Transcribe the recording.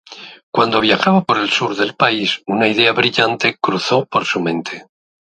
Cuando viajaba por el sur del país una idea brillante cruzó por su mente.